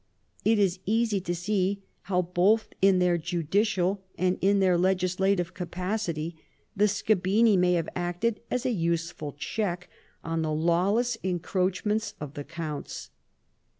It is easy to see how, both in their judicial and in their legisla tive capacit}'', the scabini may have acted as a useful check on the lawless encroachments of the counts.